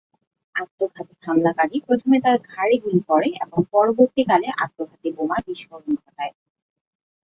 আত্মঘাতী হামলাকারী প্রথমে তার ঘাড়ে গুলি করে এবং পরবর্তীকালে আত্মঘাতী বোমার বিস্ফোরণ ঘটায়।